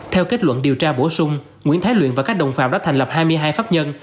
theo kết luận điều tra bổ sung nguyễn thái luyện và các đồng phạm đã thành lập hai mươi hai pháp nhân